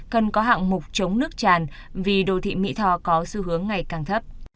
cần có hạng mục chống nước tràn vì đô thị mỹ thò có xu hướng ngày càng thấp